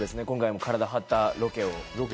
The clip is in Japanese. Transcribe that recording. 今回も体張ったロケを。